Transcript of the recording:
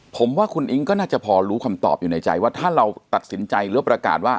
ผมว่าคุณอิ๊งก็น่าจะพอรู้คำตอบอยู่ในใจว่าถ้าเราตัดสินใจหรือประกาศว่า